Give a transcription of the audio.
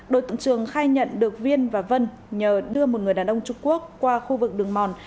đối tượng trường khai nhận được viên và vân nhờ đưa một người đàn ông trung quốc qua khu vực đường mòn